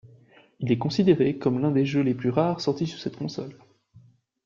Il est considéré comme l’un des jeux les plus rares sortis sur cette console.